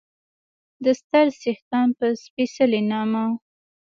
د ستر څښتن په سپېڅلي نامه